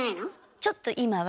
ちょっと今は。